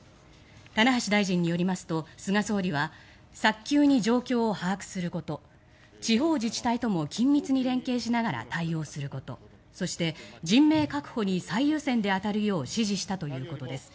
棚橋大臣によりますと菅総理は早急に状況を把握すること地方自治体とも緊密に連携しながら対応することそして人命確保に最優先で当たるよう指示したということです。